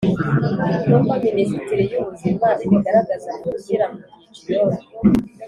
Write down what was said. nk’uko Minisiteri y’ubuzima ibigaragaza mu gushyira mu byiciro